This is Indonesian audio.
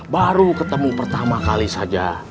baru ketemu pertama kali saja